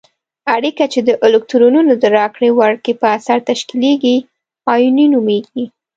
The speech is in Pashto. اړیکه چې د الکترونونو د راکړې ورکړې په اثر تشکیلیږي آیوني نومیږي.